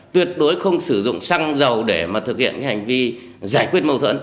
tuyệt đối không sử dụng xăng dầu để mà thực hiện hành vi giải quyết mâu thuẫn